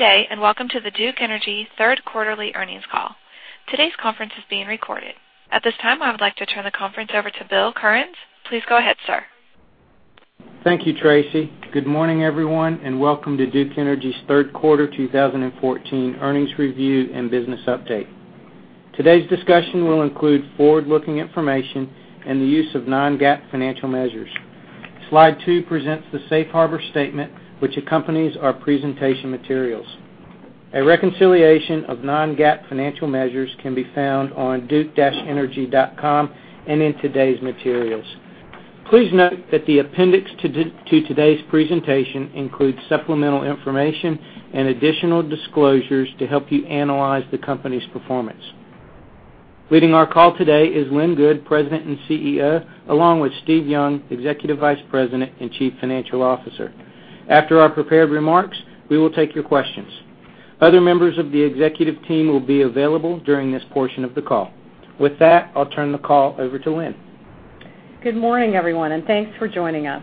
Good day. Welcome to the Duke Energy third quarterly earnings call. Today's conference is being recorded. At this time, I would like to turn the conference over to Bill Currens. Please go ahead, sir. Thank you, Tracy. Good morning, everyone. Welcome to Duke Energy's third quarter 2014 earnings review and business update. Today's discussion will include forward-looking information and the use of non-GAAP financial measures. Slide two presents the safe harbor statement which accompanies our presentation materials. A reconciliation of non-GAAP financial measures can be found on duke-energy.com and in today's materials. Please note that the appendix to today's presentation includes supplemental information and additional disclosures to help you analyze the company's performance. Leading our call today is Lynn Good, President and CEO, along with Steve Young, Executive Vice President and Chief Financial Officer. After our prepared remarks, we will take your questions. Other members of the executive team will be available during this portion of the call. With that, I'll turn the call over to Lynn. Good morning, everyone. Thanks for joining us.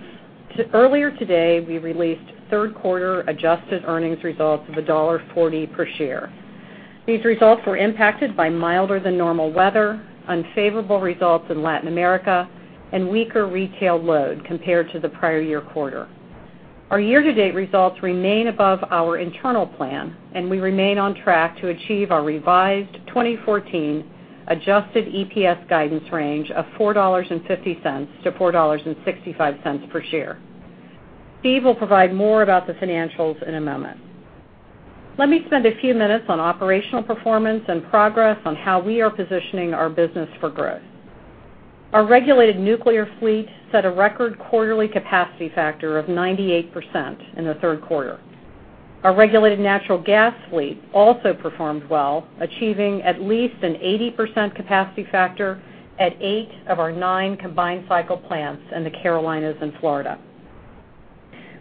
Earlier today, we released third quarter adjusted earnings results of $1.40 per share. These results were impacted by milder than normal weather, unfavorable results in Latin America, and weaker retail load compared to the prior year quarter. Our year-to-date results remain above our internal plan. We remain on track to achieve our revised 2014 adjusted EPS guidance range of $4.50-$4.65 per share. Steve will provide more about the financials in a moment. Let me spend a few minutes on operational performance and progress on how we are positioning our business for growth. Our regulated nuclear fleet set a record quarterly capacity factor of 98% in the third quarter. Our regulated natural gas fleet also performed well, achieving at least an 80% capacity factor at eight of our nine combined cycle plants in the Carolinas and Florida.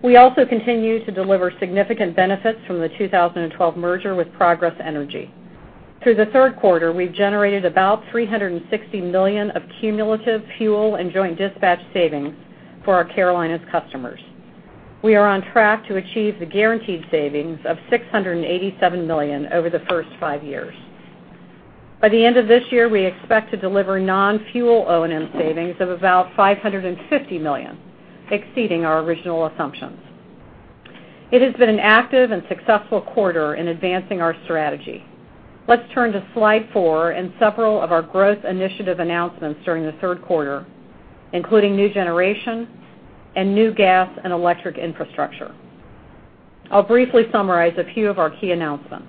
We also continue to deliver significant benefits from the 2012 merger with Progress Energy. Through the third quarter, we've generated about $360 million of cumulative fuel and joint dispatch savings for our Carolinas customers. We are on track to achieve the guaranteed savings of $687 million over the first five years. By the end of this year, we expect to deliver non-fuel O&M savings of about $550 million, exceeding our original assumptions. It has been an active and successful quarter in advancing our strategy. Let's turn to slide four and several of our growth initiative announcements during the third quarter, including new generation and new gas and electric infrastructure. I'll briefly summarize a few of our key announcements.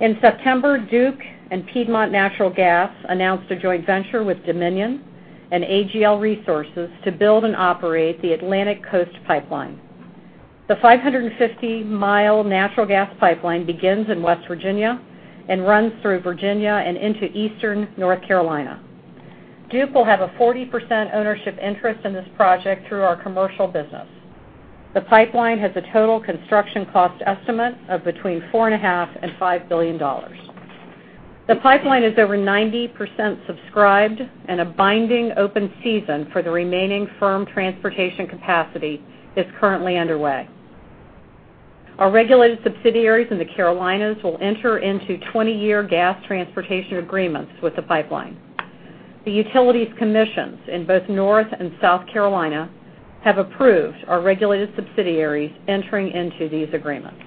In September, Duke and Piedmont Natural Gas announced a joint venture with Dominion and AGL Resources to build and operate the Atlantic Coast Pipeline. The 550-mile natural gas pipeline begins in West Virginia and runs through Virginia and into eastern North Carolina. Duke will have a 40% ownership interest in this project through our Commercial Power business. The pipeline has a total construction cost estimate of between $4.5 and $5 billion. The pipeline is over 90% subscribed, and a binding open season for the remaining firm transportation capacity is currently underway. Our regulated subsidiaries in the Carolinas will enter into 20-year gas transportation agreements with the pipeline. The utilities commissions in both North and South Carolina have approved our regulated subsidiaries entering into these agreements.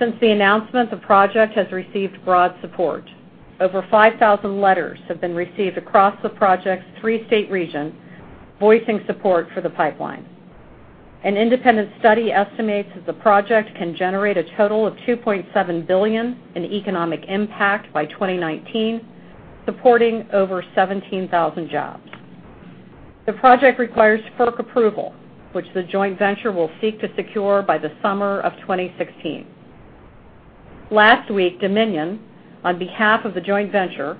Since the announcement, the project has received broad support. Over 5,000 letters have been received across the project's three-state region, voicing support for the pipeline. An independent study estimates that the project can generate a total of $2.7 billion in economic impact by 2019, supporting over 17,000 jobs. The project requires FERC approval, which the joint venture will seek to secure by the summer of 2016. Last week, Dominion, on behalf of the joint venture,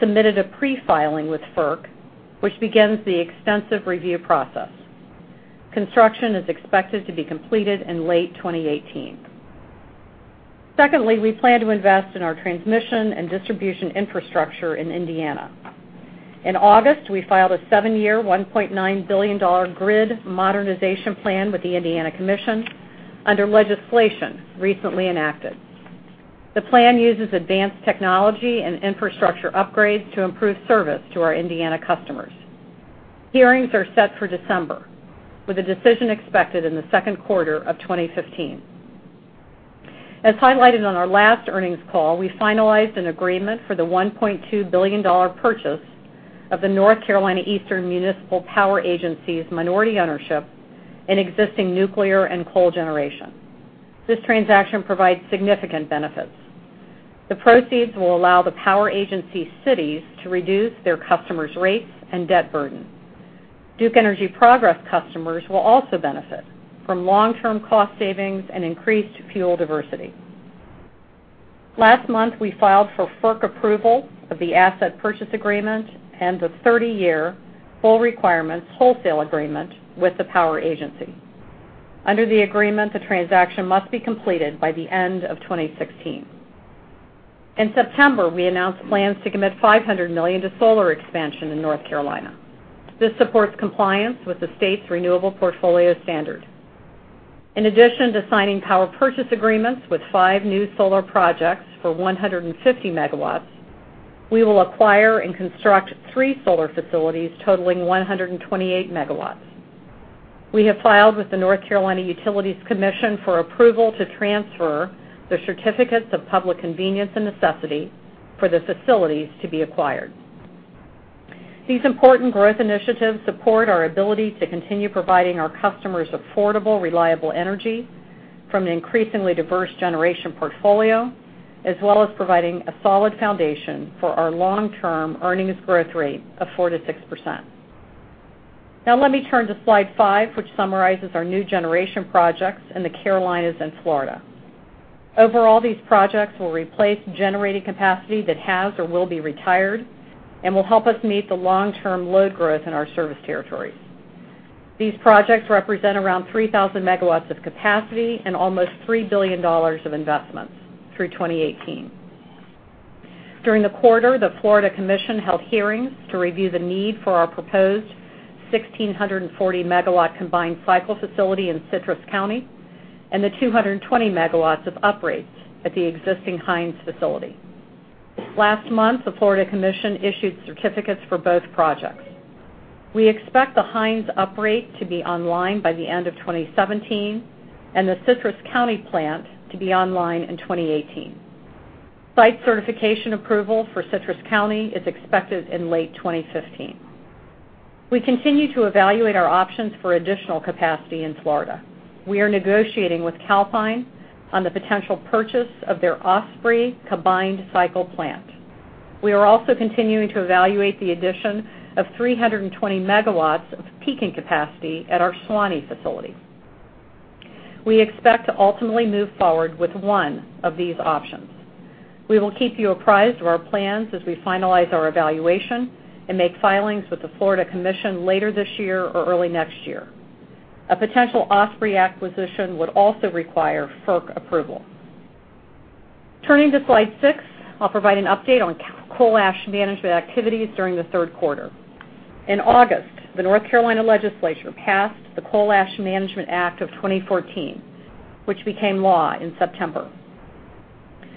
submitted a pre-filing with FERC, which begins the extensive review process. Construction is expected to be completed in late 2018. Secondly, we plan to invest in our transmission and distribution infrastructure in Indiana. In August, we filed a seven-year, $1.9 billion grid modernization plan with the Indiana Commission under legislation recently enacted. The plan uses advanced technology and infrastructure upgrades to improve service to our Indiana customers. Hearings are set for December, with a decision expected in the second quarter of 2015. As highlighted on our last earnings call, we finalized an agreement for the $1.2 billion purchase of the North Carolina Eastern Municipal Power Agency's minority ownership in existing nuclear and coal generation. This transaction provides significant benefits. The proceeds will allow the power agency cities to reduce their customers' rates and debt burden. Duke Energy Progress customers will also benefit from long-term cost savings and increased fuel diversity. Last month, we filed for FERC approval of the asset purchase agreement and the 30-year full requirements wholesale agreement with the power agency. Under the agreement, the transaction must be completed by the end of 2016. In September, we announced plans to commit $500 million to solar expansion in North Carolina. This supports compliance with the state's renewable portfolio standard. In addition to signing power purchase agreements with five new solar projects for 150 megawatts, we will acquire and construct three solar facilities totaling 128 megawatts. We have filed with the North Carolina Utilities Commission for approval to transfer the certificates of public convenience and necessity for the facilities to be acquired. These important growth initiatives support our ability to continue providing our customers affordable, reliable energy from an increasingly diverse generation portfolio, as well as providing a solid foundation for our long-term earnings growth rate of 4%-6%. Now let me turn to slide five, which summarizes our new generation projects in the Carolinas and Florida. Overall, these projects will replace generating capacity that has or will be retired and will help us meet the long-term load growth in our service territories. These projects represent around 3,000 megawatts of capacity and almost $3 billion of investments through 2018. During the quarter, the Florida Commission held hearings to review the need for our proposed 1,640-megawatt combined cycle facility in Citrus County and the 220 megawatts of upgrades at the existing Hines facility. Last month, the Florida Commission issued certificates for both projects. We expect the Hines upgrade to be online by the end of 2017 and the Citrus County plant to be online in 2018. Site certification approval for Citrus County is expected in late 2015. We continue to evaluate our options for additional capacity in Florida. We are negotiating with Calpine on the potential purchase of their Osprey combined cycle plant. We are also continuing to evaluate the addition of 320 megawatts of peaking capacity at our Suwannee facility. We expect to ultimately move forward with one of these options. We will keep you apprised of our plans as we finalize our evaluation and make filings with the Florida Commission later this year or early next year. A potential Osprey acquisition would also require FERC approval. Turning to slide six, I'll provide an update on coal ash management activities during the third quarter. In August, the North Carolina legislature passed the Coal Ash Management Act of 2014, which became law in September.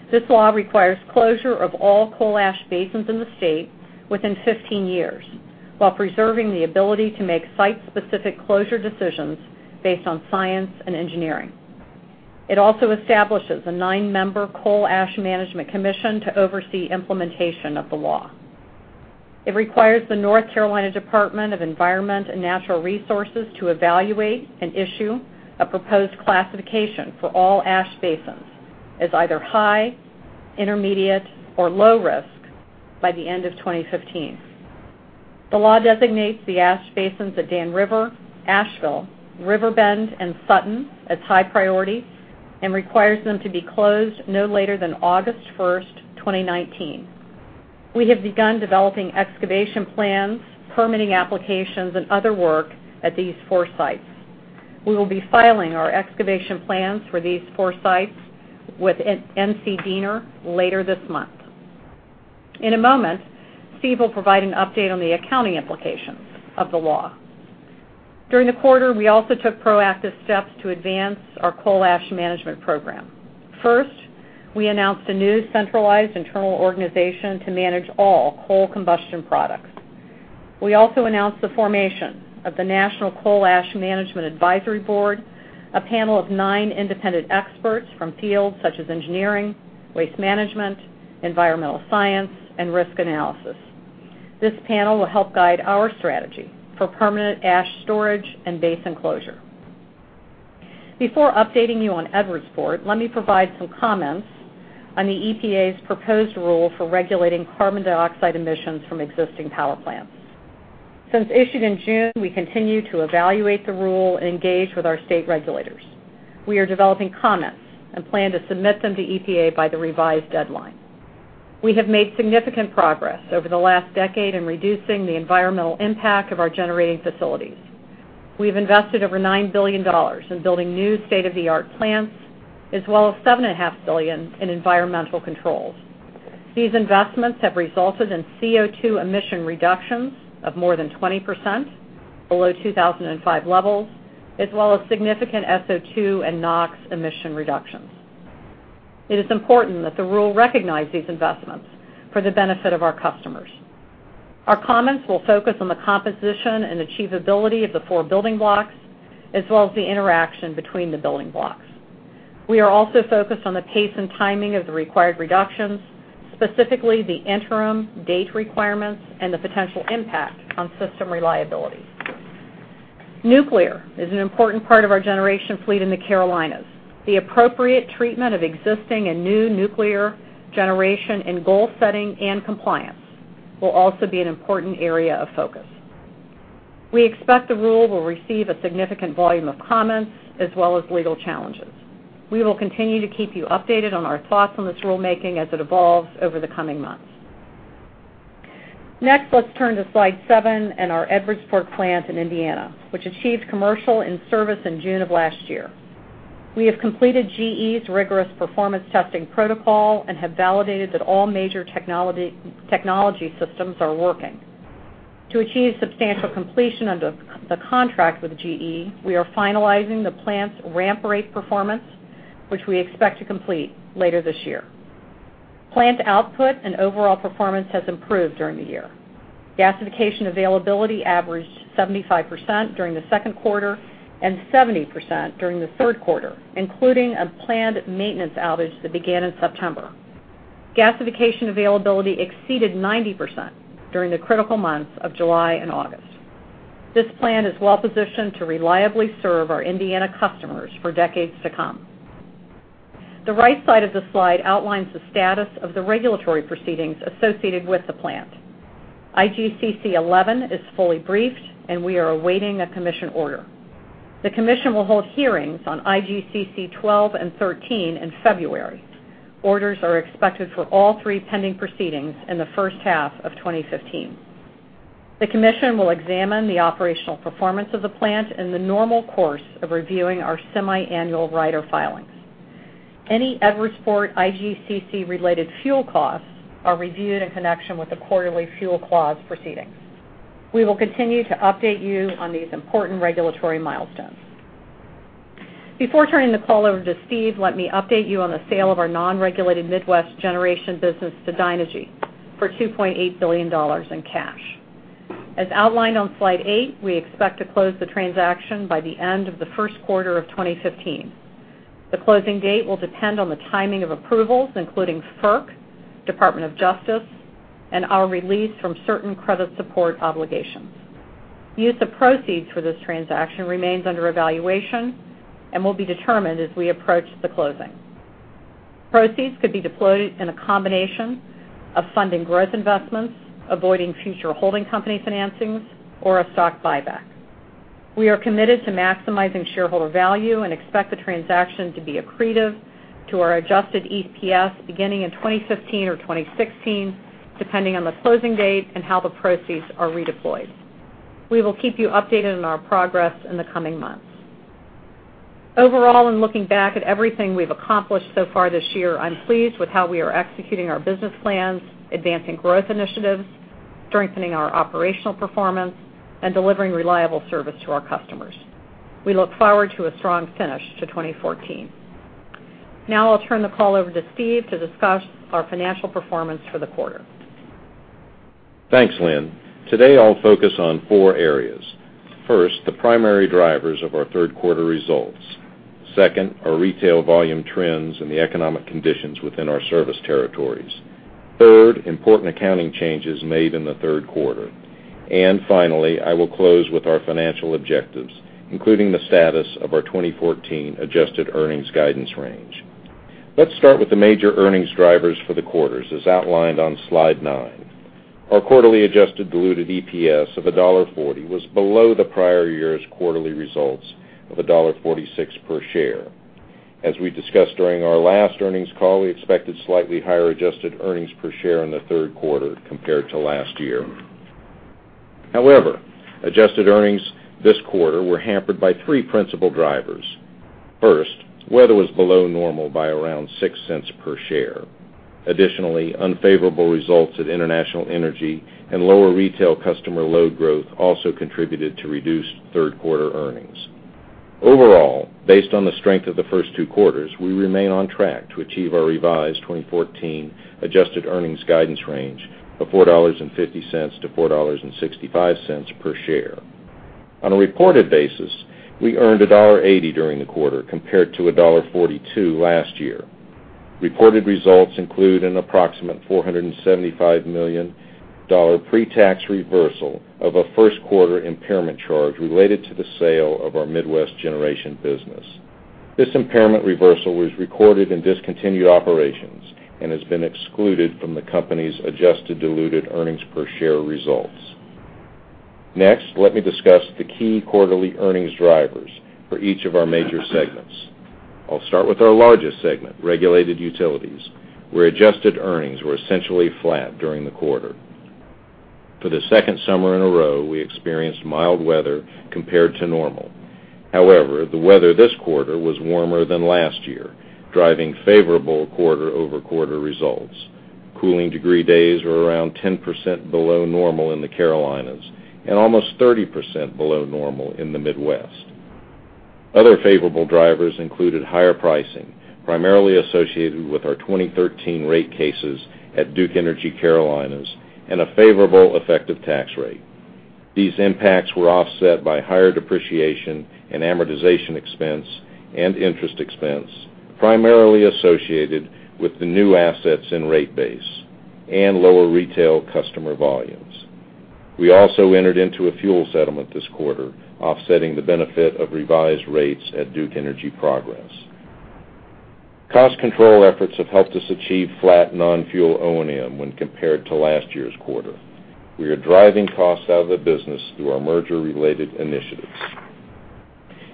This law requires closure of all coal ash basins in the state within 15 years, while preserving the ability to make site-specific closure decisions based on science and engineering. It also establishes a nine-member Coal Ash Management Commission to oversee implementation of the law. It requires the North Carolina Department of Environment and Natural Resources to evaluate and issue a proposed classification for all ash basins as either high, intermediate, or low risk by the end of 2015. The law designates the ash basins at Dan River, Asheville, Riverbend, and Sutton as high priority and requires them to be closed no later than August 1, 2019. We have begun developing excavation plans, permitting applications, and other work at these four sites. We will be filing our excavation plans for these four sites with NCDENR later this month. In a moment, Steve will provide an update on the accounting implications of the law. During the quarter, we also took proactive steps to advance our coal ash management program. First, we announced a new centralized internal organization to manage all coal combustion products. We also announced the formation of the National Ash Management Advisory Board, a panel of nine independent experts from fields such as engineering, waste management, environmental science, and risk analysis. This panel will help guide our strategy for permanent ash storage and basin closure. Before updating you on Edwardsport, let me provide some comments on the EPA's proposed rule for regulating carbon dioxide emissions from existing power plants. Since issued in June, we continue to evaluate the rule and engage with our state regulators. We are developing comments and plan to submit them to EPA by the revised deadline. We have made significant progress over the last decade in reducing the environmental impact of our generating facilities. We've invested over $9 billion in building new state-of-the-art plants, as well as $7.5 billion in environmental controls. These investments have resulted in CO2 emission reductions of more than 20% below 2005 levels, as well as significant SO2 and NOx emission reductions. It is important that the rule recognize these investments for the benefit of our customers. Our comments will focus on the composition and achievability of the four building blocks, as well as the interaction between the building blocks. We are also focused on the pace and timing of the required reductions, specifically the interim date requirements and the potential impact on system reliability. Nuclear is an important part of our generation fleet in the Carolinas. The appropriate treatment of existing and new nuclear generation in goal-setting and compliance will also be an important area of focus. We expect the rule will receive a significant volume of comments as well as legal challenges. We will continue to keep you updated on our thoughts on this rulemaking as it evolves over the coming months. Next, let's turn to slide seven and our Edwardsport plant in Indiana, which achieved commercial in service in June of last year. We have completed GE's rigorous performance testing protocol and have validated that all major technology systems are working. To achieve substantial completion under the contract with GE, we are finalizing the plant's ramp rate performance, which we expect to complete later this year. Plant output and overall performance has improved during the year. Gasification availability averaged 75% during the second quarter and 70% during the third quarter, including a planned maintenance outage that began in September. Gasification availability exceeded 90% during the critical months of July and August. This plan is well-positioned to reliably serve our Indiana customers for decades to come. The right side of the slide outlines the status of the regulatory proceedings associated with the plant. IGCC 11 is fully briefed, and we are awaiting a commission order. The commission will hold hearings on IGCC 12 and 13 in February. Orders are expected for all three pending proceedings in the first half of 2015. The commission will examine the operational performance of the plant in the normal course of reviewing our semiannual rider filings. Any Edwardsport IGCC-related fuel costs are reviewed in connection with the quarterly fuel clause proceedings. We will continue to update you on these important regulatory milestones. Before turning the call over to Steve, let me update you on the sale of our non-regulated Midwest Generation business to Dynegy for $2.8 billion in cash. As outlined on slide eight, we expect to close the transaction by the end of the first quarter of 2015. The closing date will depend on the timing of approvals, including FERC, Department of Justice, and our release from certain credit support obligations. Use of proceeds for this transaction remains under evaluation and will be determined as we approach the closing. Proceeds could be deployed in a combination of funding growth investments, avoiding future holding company financings, or a stock buyback. We are committed to maximizing shareholder value and expect the transaction to be accretive to our adjusted EPS beginning in 2015 or 2016, depending on the closing date and how the proceeds are redeployed. We will keep you updated on our progress in the coming months. Overall, in looking back at everything we've accomplished so far this year, I'm pleased with how we are executing our business plans, advancing growth initiatives, strengthening our operational performance, and delivering reliable service to our customers. We look forward to a strong finish to 2014. Now I'll turn the call over to Steve to discuss our financial performance for the quarter. Thanks, Lynn. Today, I'll focus on four areas. First, the primary drivers of our third quarter results. Second, our retail volume trends and the economic conditions within our service territories. Third, important accounting changes made in the third quarter. Finally, I will close with our financial objectives, including the status of our 2014 adjusted earnings guidance range. Let's start with the major earnings drivers for the quarters, as outlined on slide nine. Our quarterly adjusted diluted EPS of $1.40 was below the prior year's quarterly results of $1.46 per share. As we discussed during our last earnings call, we expected slightly higher-adjusted earnings per share in the third quarter compared to last year. However, adjusted earnings this quarter were hampered by three principal drivers. First, weather was below normal by around $0.06 per share. Additionally, unfavorable results at International Energy and lower retail customer load growth also contributed to reduced third-quarter earnings. Overall, based on the strength of the first two quarters, we remain on track to achieve our revised 2014 adjusted earnings guidance range of $4.50 to $4.65 per share. On a reported basis, we earned $1.80 during the quarter, compared to $1.42 last year. Reported results include an approximate $475 million pretax reversal of a first-quarter impairment charge related to the sale of our Midwest Generation business. This impairment reversal was recorded in discontinued operations and has been excluded from the company's adjusted diluted earnings per share results. Next, let me discuss the key quarterly earnings drivers for each of our major segments. I'll start with our largest segment, regulated utilities, where adjusted earnings were essentially flat during the quarter. For the second summer in a row, we experienced mild weather compared to normal. However, the weather this quarter was warmer than last year, driving favorable quarter-over-quarter results. Cooling degree days were around 10% below normal in the Carolinas and almost 30% below normal in the Midwest. Other favorable drivers included higher pricing, primarily associated with our 2013 rate cases at Duke Energy Carolinas, and a favorable effective tax rate. These impacts were offset by higher depreciation in amortization expense and interest expense, primarily associated with the new assets in rate base and lower retail customer volumes. We also entered into a fuel settlement this quarter, offsetting the benefit of revised rates at Duke Energy Progress. Cost control efforts have helped us achieve flat non-fuel O&M when compared to last year's quarter. We are driving costs out of the business through our merger-related initiatives.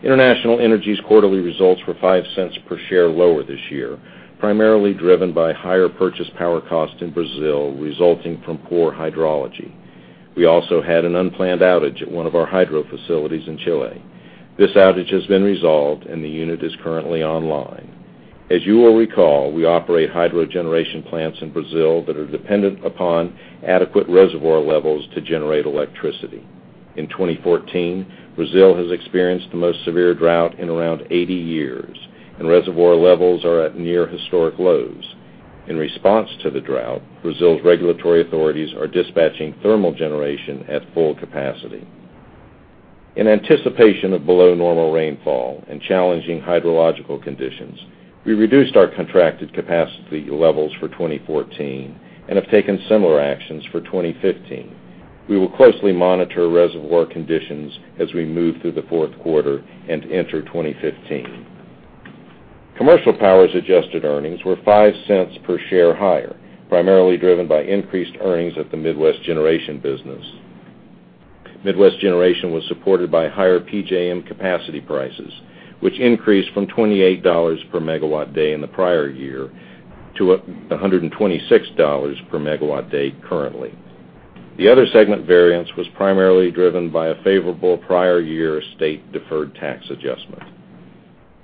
International Energy's quarterly results were $0.05 per share lower this year, primarily driven by higher purchase power cost in Brazil resulting from poor hydrology. We also had an unplanned outage at one of our hydro facilities in Chile. This outage has been resolved, and the unit is currently online. As you will recall, we operate hydro generation plants in Brazil that are dependent upon adequate reservoir levels to generate electricity. In 2014, Brazil has experienced the most severe drought in around 80 years, and reservoir levels are at near historic lows. In response to the drought, Brazil's regulatory authorities are dispatching thermal generation at full capacity. In anticipation of below normal rainfall and challenging hydrological conditions, we reduced our contracted capacity levels for 2014 and have taken similar actions for 2015. We will closely monitor reservoir conditions as we move through the fourth quarter and enter 2015. Commercial Power's adjusted earnings were $0.05 per share higher, primarily driven by increased earnings at the Midwest Generation business. Midwest Generation was supported by higher PJM capacity prices, which increased from $28 per megawatt day in the prior year to $126 per megawatt day currently. The other segment variance was primarily driven by a favorable prior year state deferred tax adjustment.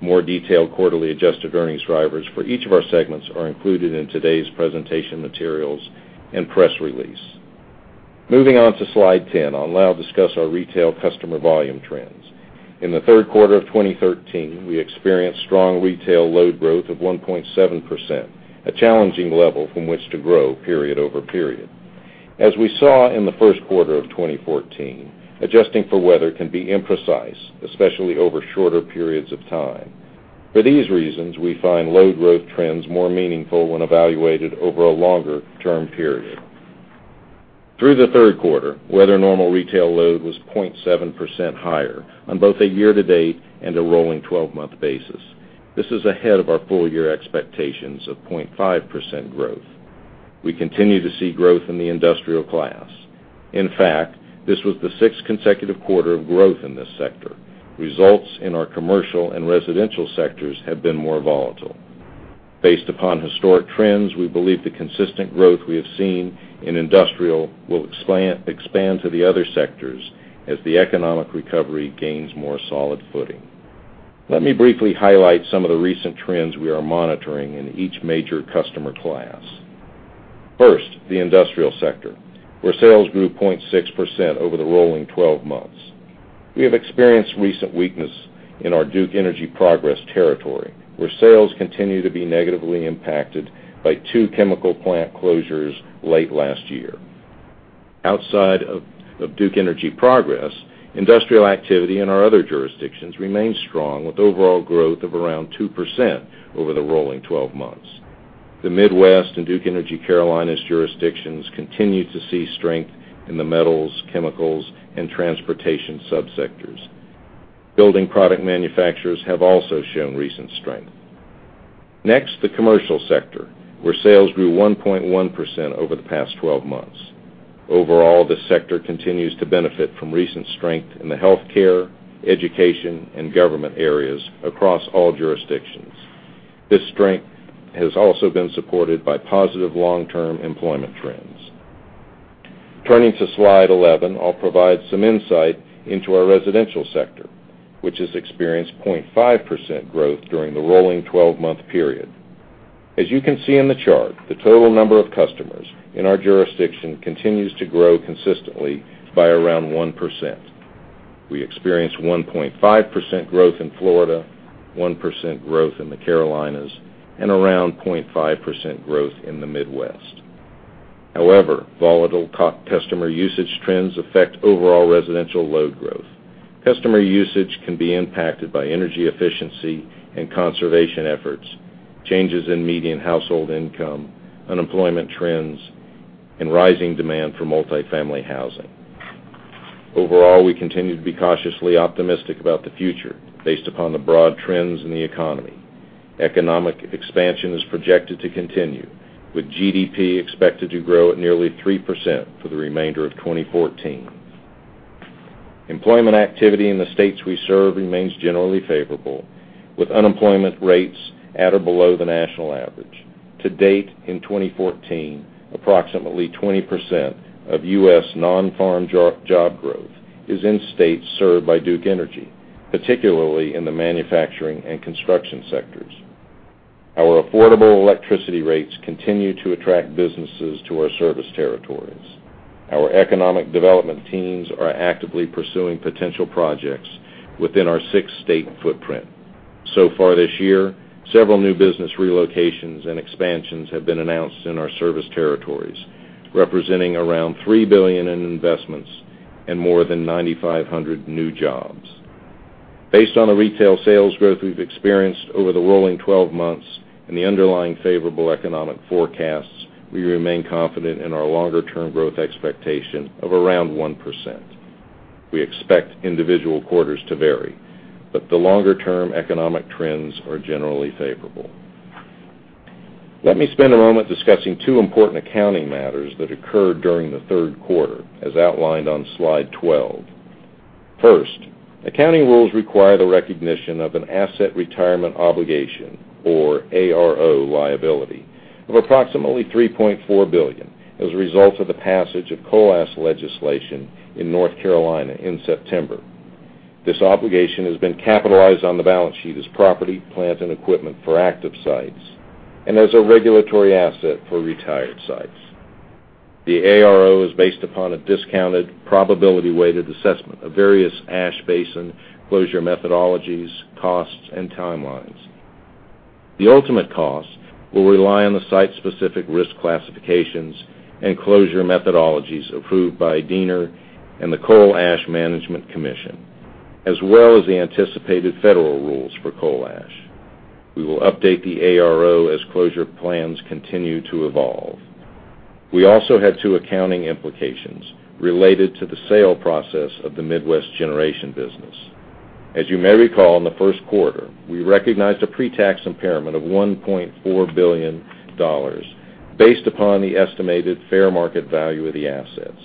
More detailed quarterly adjusted earnings drivers for each of our segments are included in today's presentation materials and press release. Moving on to slide 10, I'll now discuss our retail customer volume trends. In the third quarter of 2013, we experienced strong retail load growth of 1.7%, a challenging level from which to grow period over period. As we saw in the first quarter of 2014, adjusting for weather can be imprecise, especially over shorter periods of time. For these reasons, we find load growth trends more meaningful when evaluated over a longer term period. Through the third quarter, weather normal retail load was 0.7% higher on both a year-to-date and a rolling 12-month basis. This is ahead of our full-year expectations of 0.5% growth. We continue to see growth in the industrial class. In fact, this was the sixth consecutive quarter of growth in this sector. Results in our commercial and residential sectors have been more volatile. Based upon historic trends, we believe the consistent growth we have seen in industrial will expand to the other sectors as the economic recovery gains more solid footing. Let me briefly highlight some of the recent trends we are monitoring in each major customer class. First, the industrial sector, where sales grew 0.6% over the rolling 12 months. We have experienced recent weakness in our Duke Energy Progress territory, where sales continue to be negatively impacted by two chemical plant closures late last year. Outside of Duke Energy Progress, industrial activity in our other jurisdictions remains strong, with overall growth of around 2% over the rolling 12 months. The Midwest and Duke Energy Carolinas jurisdictions continue to see strength in the metals, chemicals, and transportation subsectors. Building product manufacturers have also shown recent strength. Next, the commercial sector, where sales grew 1.1% over the past 12 months. Overall, this sector continues to benefit from recent strength in the healthcare, education, and government areas across all jurisdictions. This strength has also been supported by positive long-term employment trends. Turning to slide 11, I'll provide some insight into our residential sector, which has experienced 0.5% growth during the rolling 12-month period. As you can see in the chart, the total number of customers in our jurisdiction continues to grow consistently by around 1%. We experienced 1.5% growth in Florida, 1% growth in the Carolinas, and around 0.5% growth in the Midwest. However, volatile customer usage trends affect overall residential load growth. Customer usage can be impacted by energy efficiency and conservation efforts, changes in median household income, unemployment trends, and rising demand for multifamily housing. Overall, we continue to be cautiously optimistic about the future based upon the broad trends in the economy. Economic expansion is projected to continue, with GDP expected to grow at nearly 3% for the remainder of 2014. Employment activity in the states we serve remains generally favorable, with unemployment rates at or below the national average. To date in 2014, approximately 20% of U.S. non-farm job growth is in states served by Duke Energy, particularly in the manufacturing and construction sectors. Our affordable electricity rates continue to attract businesses to our service territories. Our economic development teams are actively pursuing potential projects within our six-state footprint. So far this year, several new business relocations and expansions have been announced in our service territories, representing around $3 billion in investments and more than 9,500 new jobs. Based on the retail sales growth we've experienced over the rolling 12 months and the underlying favorable economic forecasts, we remain confident in our longer-term growth expectation of around 1%. We expect individual quarters to vary, the longer-term economic trends are generally favorable. Let me spend a moment discussing two important accounting matters that occurred during the third quarter, as outlined on slide 12. First, accounting rules require the recognition of an asset retirement obligation, or ARO liability, of approximately $3.4 billion as a result of the passage of coal ash legislation in North Carolina in September. This obligation has been capitalized on the balance sheet as property, plant, and equipment for active sites and as a regulatory asset for retired sites. The ARO is based upon a discounted probability-weighted assessment of various ash basin closure methodologies, costs, and timelines. The ultimate cost will rely on the site-specific risk classifications and closure methodologies approved by DENR and the Coal Ash Management Commission, as well as the anticipated federal rules for coal ash. We will update the ARO as closure plans continue to evolve. We also had two accounting implications related to the sale process of the Midwest Generation business. As you may recall, in the first quarter, we recognized a pretax impairment of $1.4 billion based upon the estimated fair market value of the assets.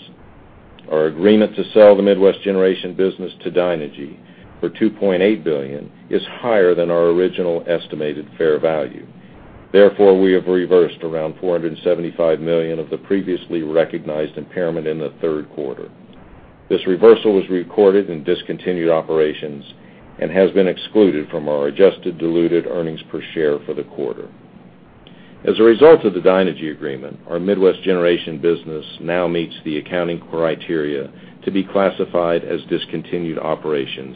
Our agreement to sell the Midwest Generation business to Dynegy for $2.8 billion is higher than our original estimated fair value. Therefore, we have reversed around $475 million of the previously recognized impairment in the third quarter. This reversal was recorded in discontinued operations and has been excluded from our adjusted diluted earnings per share for the quarter. As a result of the Dynegy agreement, our Midwest Generation business now meets the accounting criteria to be classified as discontinued operations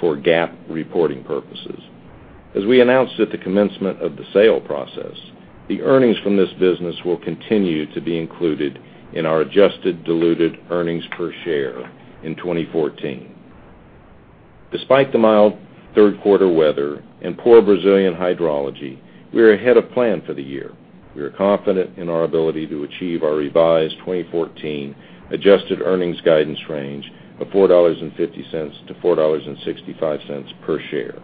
for GAAP reporting purposes. As we announced at the commencement of the sale process, the earnings from this business will continue to be included in our adjusted diluted earnings per share in 2014. Despite the mild third quarter weather and poor Brazilian hydrology, we are ahead of plan for the year. We are confident in our ability to achieve our revised 2014 adjusted earnings guidance range of $4.50 to $4.65 per share.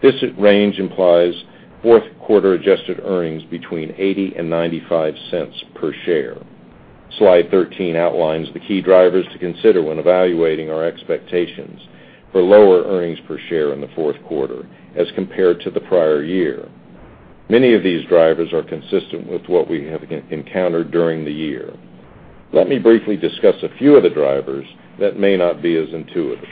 This range implies fourth quarter adjusted earnings between $0.80 and $0.95 per share. Slide 13 outlines the key drivers to consider when evaluating our expectations for lower earnings per share in the fourth quarter as compared to the prior year. Many of these drivers are consistent with what we have encountered during the year. Let me briefly discuss a few of the drivers that may not be as intuitive.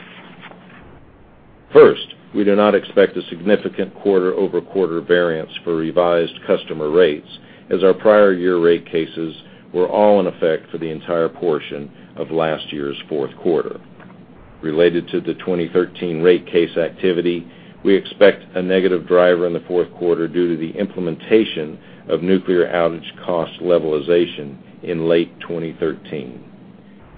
First, we do not expect a significant quarter-over-quarter variance for revised customer rates, as our prior year rate cases were all in effect for the entire portion of last year's fourth quarter. Related to the 2013 rate case activity, we expect a negative driver in the fourth quarter due to the implementation of nuclear outage cost levelization in late 2013.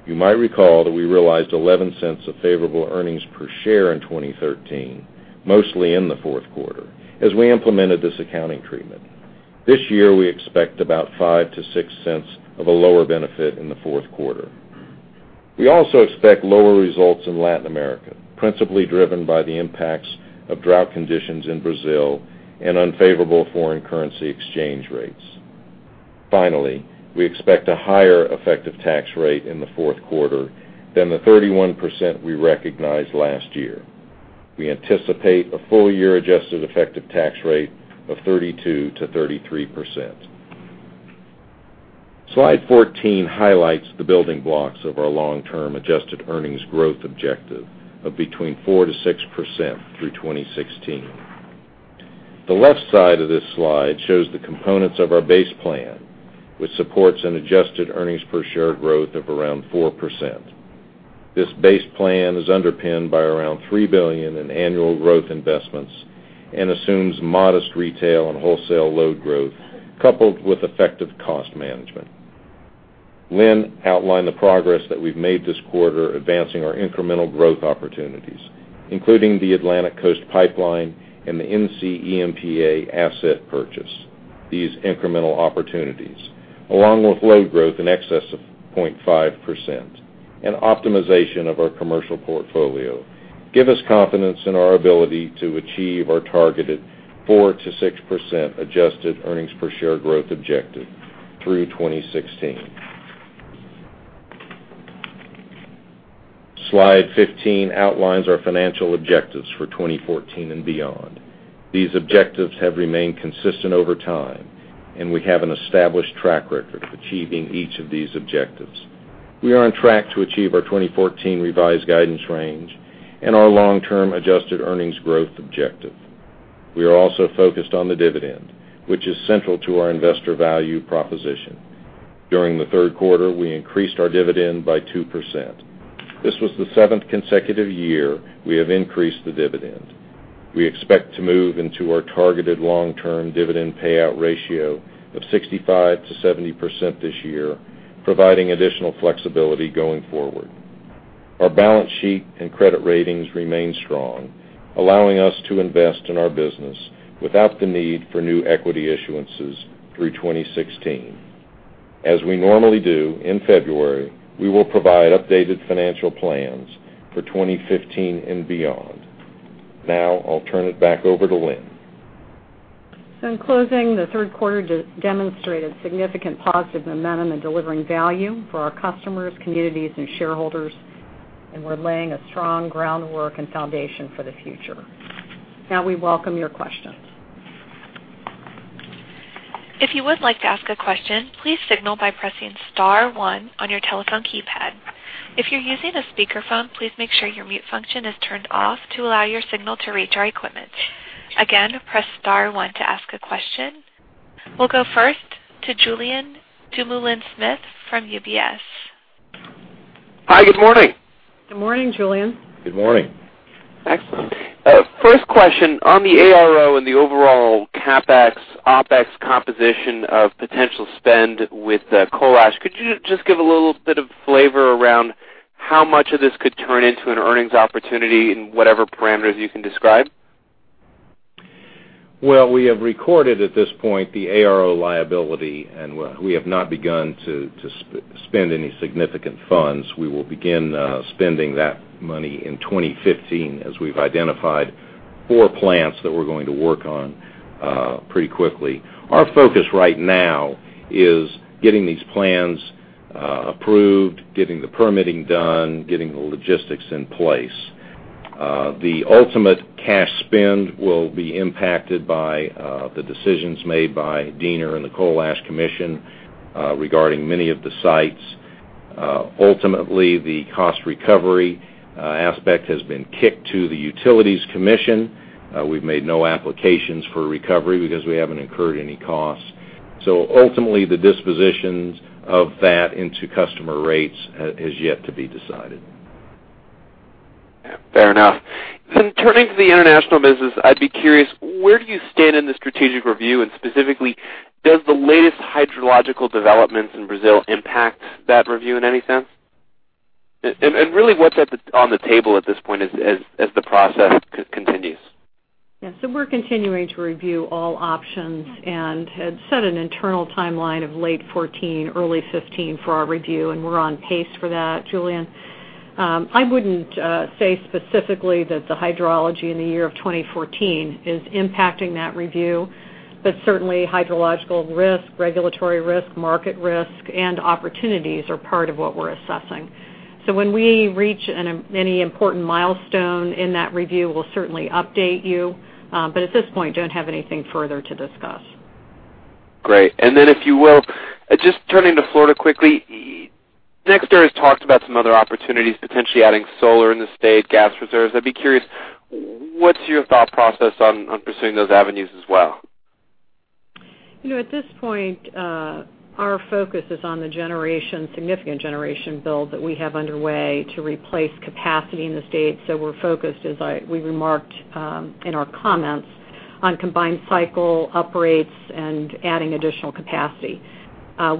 You might recall that we realized $0.11 of favorable earnings per share in 2013, mostly in the fourth quarter, as we implemented this accounting treatment. This year, we expect about $0.05-$0.06 of a lower benefit in the fourth quarter. We also expect lower results in Latin America, principally driven by the impacts of drought conditions in Brazil and unfavorable foreign currency exchange rates. We expect a higher effective tax rate in the fourth quarter than the 31% we recognized last year. We anticipate a full-year adjusted effective tax rate of 32%-33%. Slide 14 highlights the building blocks of our long-term adjusted earnings growth objective of between 4%-6% through 2016. The left side of this slide shows the components of our base plan, which supports an adjusted earnings per share growth of around 4%. This base plan is underpinned by around $3 billion in annual growth investments and assumes modest retail and wholesale load growth, coupled with effective cost management. Lynn outlined the progress that we've made this quarter advancing our incremental growth opportunities, including the Atlantic Coast Pipeline and the NCEMPA asset purchase. These incremental opportunities, along with load growth in excess of 0.5% and optimization of our commercial portfolio, give us confidence in our ability to achieve our targeted 4%-6% adjusted earnings per share growth objective through 2016. Slide 15 outlines our financial objectives for 2014 and beyond. These objectives have remained consistent over time, and we have an established track record of achieving each of these objectives. We are on track to achieve our 2014 revised guidance range and our long-term adjusted earnings growth objective. We are also focused on the dividend, which is central to our investor value proposition. During the third quarter, we increased our dividend by 2%. This was the seventh consecutive year we have increased the dividend. We expect to move into our targeted long-term dividend payout ratio of 65%-70% this year, providing additional flexibility going forward. Our balance sheet and credit ratings remain strong, allowing us to invest in our business without the need for new equity issuances through 2016. As we normally do, in February, we will provide updated financial plans for 2015 and beyond. I'll turn it back over to Lynn. In closing, the third quarter demonstrated significant positive momentum in delivering value for our customers, communities, and shareholders, and we're laying a strong groundwork and foundation for the future. We welcome your questions. If you would like to ask a question, please signal by pressing *1 on your telephone keypad. If you're using a speakerphone, please make sure your mute function is turned off to allow your signal to reach our equipment. Again, press *1 to ask a question. We'll go first to Julien Dumoulin-Smith from UBS. Hi, good morning. Good morning, Julien. Good morning. Excellent. First question, on the ARO and the overall CapEx, OpEx composition of potential spend with coal ash, could you just give a little bit of flavor around how much of this could turn into an earnings opportunity in whatever parameters you can describe? Well, we have recorded at this point the ARO liability and we have not begun to spend any significant funds. We will begin spending that money in 2015 as we've identified four plants that we're going to work on pretty quickly. Our focus right now is getting these plans approved, getting the permitting done, getting the logistics in place. The ultimate cash spend will be impacted by the decisions made by DENR and the Coal Ash Management Commission regarding many of the sites. Ultimately, the cost recovery aspect has been kicked to the North Carolina Utilities Commission. We've made no applications for recovery because we haven't incurred any costs. Ultimately, the dispositions of that into customer rates is yet to be decided. Fair enough. Turning to the International Energy business, I'd be curious, where do you stand in the strategic review, and specifically, does the latest hydrological developments in Brazil impact that review in any sense? Really, what's on the table at this point as the process continues? Yeah. We're continuing to review all options and had set an internal timeline of late 2014, early 2015 for our review, and we're on pace for that, Julien. I wouldn't say specifically that the hydrology in the year of 2014 is impacting that review. Certainly hydrological risk, regulatory risk, market risk, and opportunities are part of what we're assessing. When we reach any important milestone in that review, we'll certainly update you. At this point, don't have anything further to discuss. Great. If you will, just turning to Florida quickly. NextEra has talked about some other opportunities, potentially adding solar in the state, gas reserves. I'd be curious, what's your thought process on pursuing those avenues as well? At this point, our focus is on the significant generation build that we have underway to replace capacity in the state. We're focused, as we remarked in our comments, on combined cycle uprates and adding additional capacity.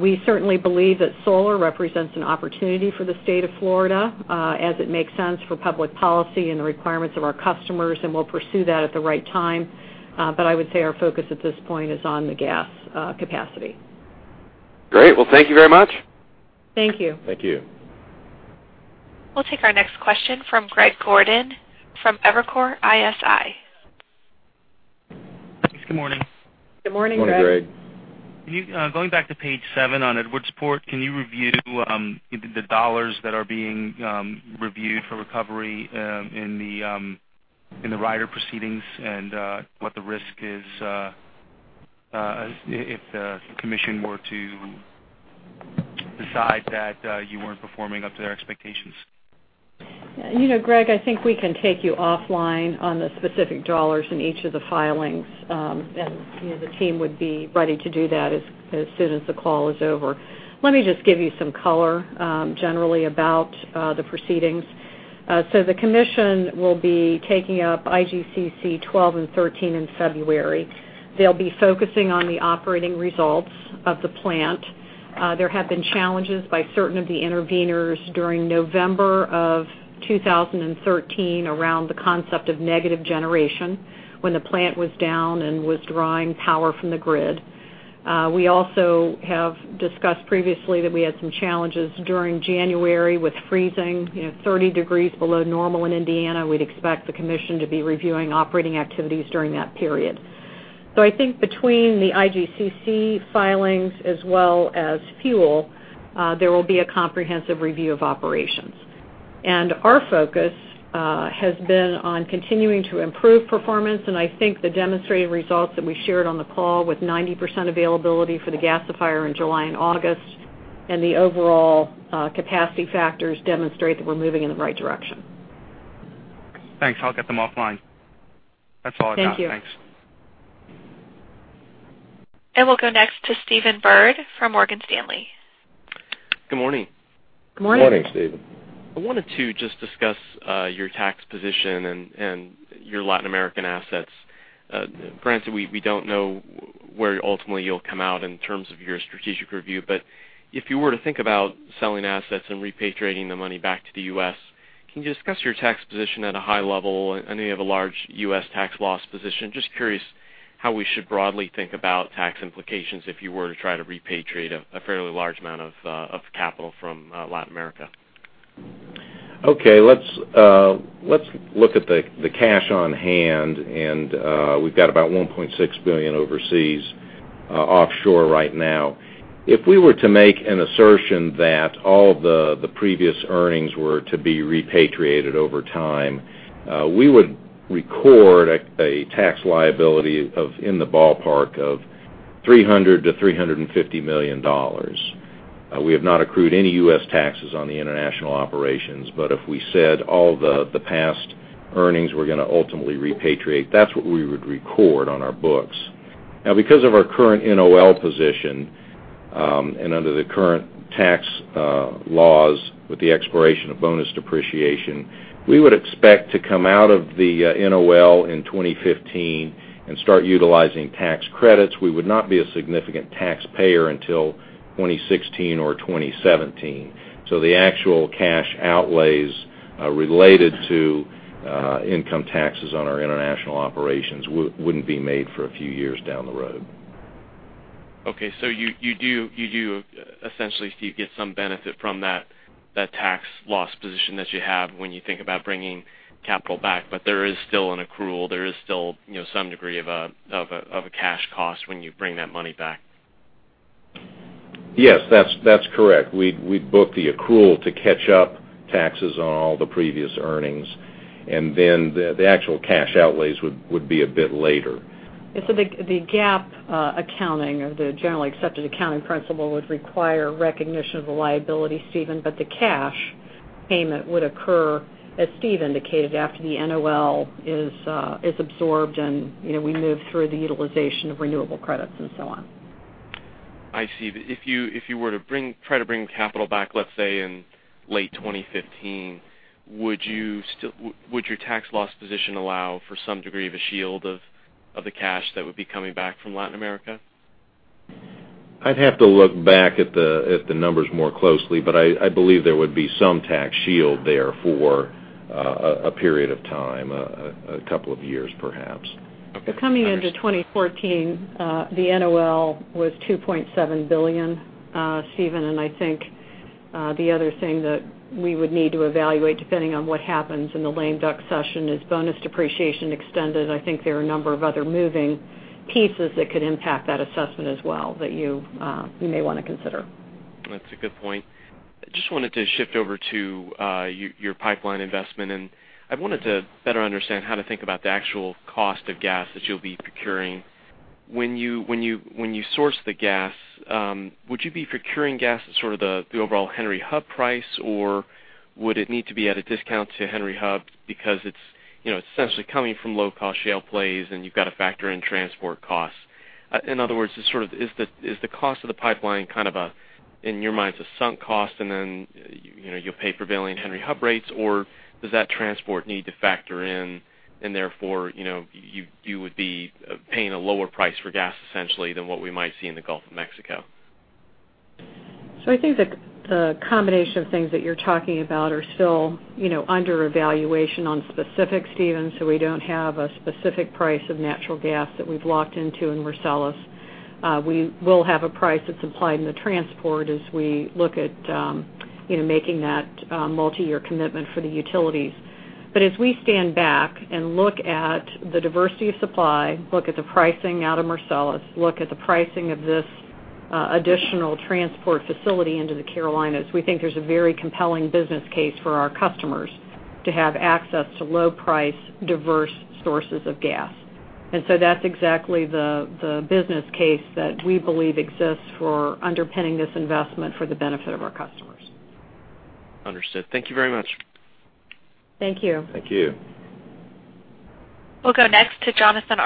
We certainly believe that solar represents an opportunity for the state of Florida as it makes sense for public policy and the requirements of our customers, and we'll pursue that at the right time. I would say our focus at this point is on the gas capacity. Great. Well, thank you very much. Thank you. Thank you. We'll take our next question from Greg Gordon from Evercore ISI. Thanks. Good morning. Good morning, Greg. Morning, Greg. Going back to page seven on Edwardsport, can you review the dollars that are being reviewed for recovery in the rider proceedings and what the risk is if the commission were to decide that you weren't performing up to their expectations? Greg, I think we can take you offline on the specific dollars in each of the filings. The team would be ready to do that as soon as the call is over. Let me just give you some color, generally about the proceedings. The commission will be taking up IGCC 12 and 13 in February. They'll be focusing on the operating results of the plant. There have been challenges by certain of the interveners during November of 2013 around the concept of negative generation when the plant was down and was drawing power from the grid. We also have discussed previously that we had some challenges during January with freezing 30 degrees below normal in Indiana. We'd expect the commission to be reviewing operating activities during that period. I think between the IGCC filings as well as fuel, there will be a comprehensive review of operations. Our focus has been on continuing to improve performance, and I think the demonstrated results that we shared on the call with 90% availability for the gasifier in July and August and the overall capacity factors demonstrate that we're moving in the right direction. Thanks. I'll get them offline. That's all I've got. Thank you. Thanks. We'll go next to Stephen Byrd from Morgan Stanley. Good morning. Good morning. Morning, Stephen. I wanted to just discuss your tax position and your Latin American assets. Granted, we don't know where ultimately you'll come out in terms of your strategic review, but if you were to think about selling assets and repatriating the money back to the U.S., can you discuss your tax position at a high level? I know you have a large U.S. tax loss position. Just curious how we should broadly think about tax implications if you were to try to repatriate a fairly large amount of capital from Latin America. Okay. Let's look at the cash on hand, and we've got about $1.6 billion overseas, offshore right now. If we were to make an assertion that all of the previous earnings were to be repatriated over time, we would record a tax liability in the ballpark of $300 million-$350 million. We have not accrued any U.S. taxes on the international operations, but if we said all the past earnings we're going to ultimately repatriate, that's what we would record on our books. Now because of our current NOL position, and under the current tax laws with the expiration of bonus depreciation, we would expect to come out of the NOL in 2015 and start utilizing tax credits. We would not be a significant taxpayer until 2016 or 2017. The actual cash outlays related to income taxes on our international operations wouldn't be made for a few years down the road. Okay. You do essentially, Steve, get some benefit from that tax loss position that you have when you think about bringing capital back. There is still an accrual. There is still some degree of a cash cost when you bring that money back. Yes. That's correct. We'd book the accrual to catch up taxes on all the previous earnings, and then the actual cash outlays would be a bit later. The GAAP accounting, or the generally accepted accounting principle, would require recognition of the liability, Stephen, but the cash payment would occur, as Steve indicated, after the NOL is absorbed and we move through the utilization of renewable credits and so on. I see. If you were to try to bring capital back, let's say, in late 2015, would your tax loss position allow for some degree of a shield of the cash that would be coming back from Latin America? I'd have to look back at the numbers more closely, I believe there would be some tax shield there for a period of time, a couple of years perhaps. Okay. I understand. Coming into 2014, the NOL was $2.7 billion, Stephen, and I think the other thing that we would need to evaluate, depending on what happens in the lame duck session, is bonus depreciation extended. I think there are a number of other moving pieces that could impact that assessment as well that you may want to consider. That's a good point. I just wanted to shift over to your pipeline investment, and I wanted to better understand how to think about the actual cost of gas that you'll be procuring. When you source the gas, would you be procuring gas at sort of the overall Henry Hub price, or would it need to be at a discount to Henry Hub because it's essentially coming from low-cost shale plays and you've got to factor in transport costs? In other words, is the cost of the pipeline kind of, in your mind, it's a sunk cost, and then you'll pay prevailing Henry Hub rates, or does that transport need to factor in, and therefore, you would be paying a lower price for gas essentially than what we might see in the Gulf of Mexico? I think the combination of things that you're talking about are still under evaluation on specific, Stephen. We don't have a specific price of natural gas that we've locked into in Marcellus. We will have a price that's implied in the transport as we look at making that multi-year commitment for the utilities. As we stand back and look at the diversity of supply, look at the pricing out of Marcellus, look at the pricing of this additional transport facility into the Carolinas, we think there's a very compelling business case for our customers to have access to low price, diverse sources of gas. That's exactly the business case that we believe exists for underpinning this investment for the benefit of our customers. Understood. Thank you very much. Thank you. Thank you. We'll go next to Jonathan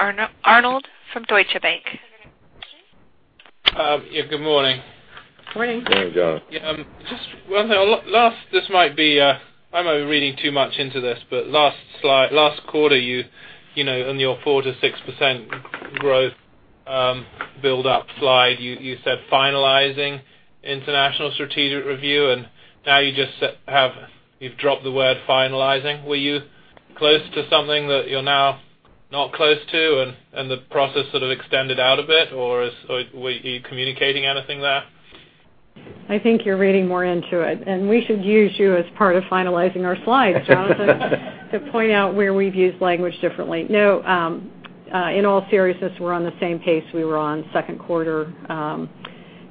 Arnold from Deutsche Bank. Yeah. Good morning. Morning. Morning, Jon. Yeah. I might be reading too much into this, last quarter, on your 4%-6% growth buildup slide, you said finalizing international strategic review, and now you've dropped the word finalizing. Were you close to something that you're now not close to and the process sort of extended out a bit, or are you communicating anything there? I think you're reading more into it, we should use you as part of finalizing our slides, Jonathan, to point out where we've used language differently. No, in all seriousness, we're on the same pace we were on second quarter.